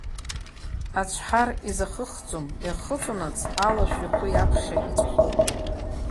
Ацәҳар изахыхӡом, иахыҵуанаҵ, Алашә ихәы иаԥхьа иҵәахуп.